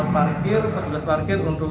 parkir petugas parkir untuk